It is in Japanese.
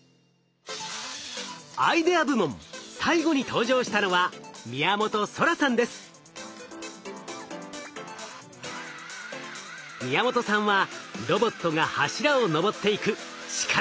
アイデア部門最後に登場したのは宮本さんはロボットが柱を上っていく力強いパフォーマンスで勝負。